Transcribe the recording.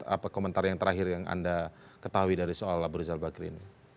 apa komentar yang terakhir yang anda ketahui dari soal abu rizal bakri ini